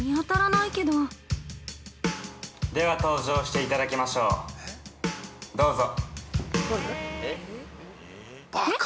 ◆では登場していただきましょう、どうぞ！